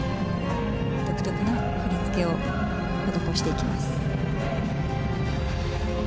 独特の振り付けを施していきます。